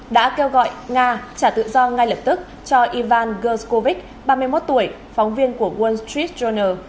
đã kêu gọi nga trả tự do ngay lập tức cho ivan geskovic ba mươi một tuổi phóng viên của world street journal